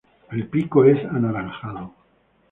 El pico es anaranjado.